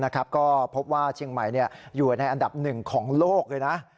ก็พบว่าเชียงใหม่อยู่ในอันดับหนึ่งของโลกเลยนะ